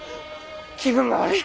気分が悪い。